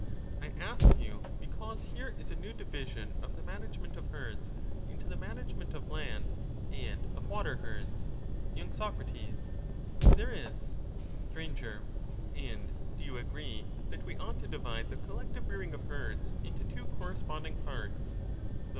I asked you, because here is a new division of the management of herds, into the management of land and of water herds. y. Soc. There is. Sir. And do you agree that we ought to divide the col lective rearing of herds into two corresponding parts, the Digitized by VjOOQIC The longer way.